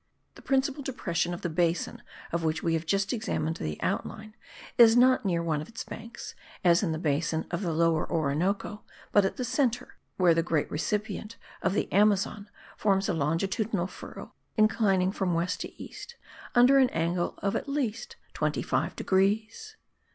The principal depression of the basin of which we have just examined the outline, is not near one of its banks, as in the basin of the Lower Orinoco, but at the centre, where the great recipient of the Amazon forms a longitudinal furrow inclining from west to east, under an angle of at least 25 degrees.